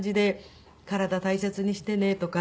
体大切にしてねとか。